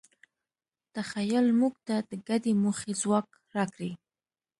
تخیل موږ ته د ګډې موخې ځواک راکړی.